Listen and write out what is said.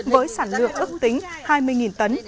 với sản lượng ước tính hai mươi tấn